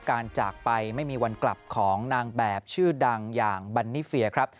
จากไปไม่มีวันกลับของนางแบบชื่อดังอย่างบันนี่เฟียครับ